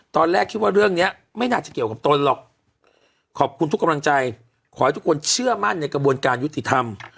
ตอนแรกคิดว่าเรื่องนี้ไม่น่าจะเกี่ยวกับตนหรอกขอบคุณทุกกำลังใจขอให้ทุกคนเชื่อมั่นในกระบวนการยุติธรรม